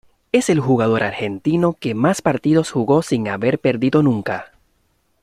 Es el jugador argentino que más partidos jugó sin haber perdido nunca.